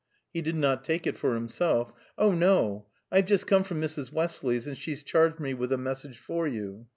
He did not take it for himself. "Oh, no! I've just come from Mrs. Westley's, and she's charged me with a message for you."